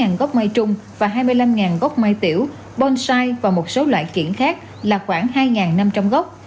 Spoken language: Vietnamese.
hai gốc mai trung và hai mươi năm gốc mai tiểu bonsai và một số loại kiển khác là khoảng hai năm trăm linh gốc